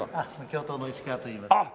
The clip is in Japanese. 教頭の石川といいます。